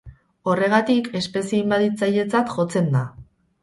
Horregatik, espezie inbaditzailetzat jotzen da.